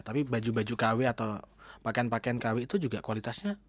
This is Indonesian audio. tapi baju baju kw atau pakaian pakaian kw itu juga kualitasnya